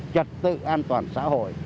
trật tự an toàn xã hội